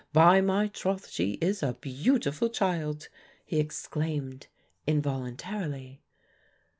"By my troth she is a beautiful child," he exclaimed involuntarily.